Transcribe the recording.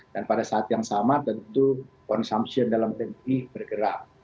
dan pada saat yang sama tentu konsumsi dalam tempat ini bergerak